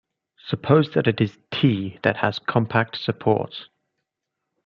Suppose that it is "T" that has compact support.